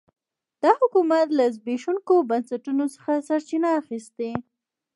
دا حکومت له زبېښونکو بنسټونو څخه سرچینه اخیسته.